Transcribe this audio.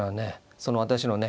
その私のね